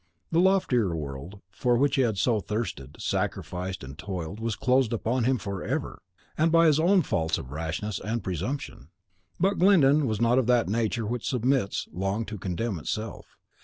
The loftier world for which he had so thirsted, sacrificed, and toiled, was closed upon him "forever," and by his own faults of rashness and presumption. But Glyndon's was not of that nature which submits long to condemn itself.